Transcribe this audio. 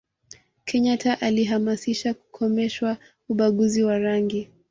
kenyata alihamasisha kukomeshwa ubaguzi wa rangi